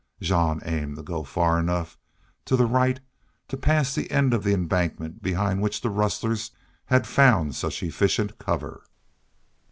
Jean aimed to go far enough to the right to pass the end of the embankment behind which the rustlers had found such efficient cover.